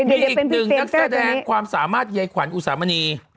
มีอีกหนึ่งนักแสดงความสามารถยายขวัญอุสามณี